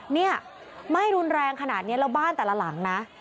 เนี่ยไหม้รุนแรงขนาดนี้แล้วบ้านแต่ละหลังนะ